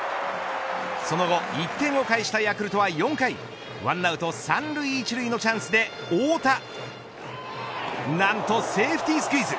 その後、１点を返したヤクルトは４回１アウト３塁１塁のチャンスで何と、セーフティースクイズ。